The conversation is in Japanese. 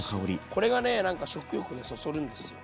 これがね何か食欲をそそるんですよ。